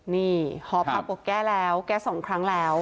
นี่หอพักบอกแก้แล้วแก้๒ครั้งแล้ว